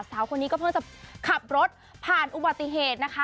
สาวคนนี้ก็เพิ่งจะขับรถผ่านอุบัติเหตุนะคะ